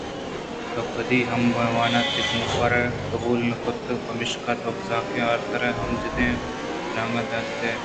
تو کدی ہم منءَوتی کمکار قبول نہ کُتگ پمیشکا تو بزّگیں آرتھر ہم جتگ ءُتیلانک داتگ اَت